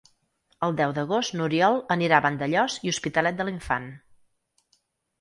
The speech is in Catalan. El deu d'agost n'Oriol anirà a Vandellòs i l'Hospitalet de l'Infant.